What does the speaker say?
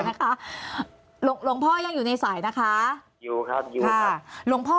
นะคะหลวงพ่อยังอยู่ในสายนะคะอยู่ครับอยู่ค่ะหลวงพ่อ